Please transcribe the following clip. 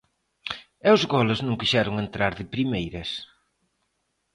E os goles non quixeron entrar de primeiras.